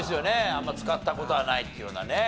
あんま使った事はないっていうようなね。